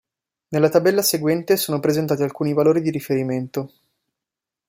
Nella tabella seguente sono presentati alcuni valori di riferimento.